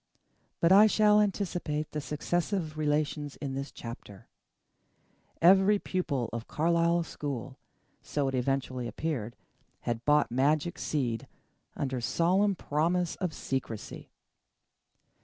But I shall anticipate the successive relations in this chapter. Every pupil of Carlisle school, so it eventually appeared, had bought magic seed, under solemn promise of secrecy.